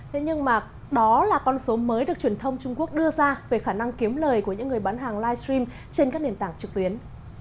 thế nhưng mà đó là con số mới được truyền thông trung quốc đưa ra về khả năng kiếm lời của những người bán hàng livestream trên các nền tảng trực tuyến